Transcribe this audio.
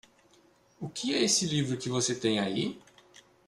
O que é esse livro que você tem aí?